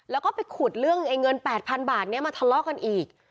แล้วก็ไปขุดเรื่องเงิน๘๐๐๐บาทนี้มาทะเลาะกันอีก